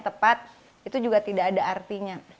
tepat itu juga tidak ada artinya